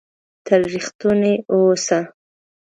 تل ریښتونی اووسه!